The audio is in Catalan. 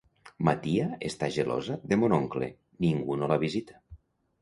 Ma tia està gelosa de mon oncle; ningú no la visita.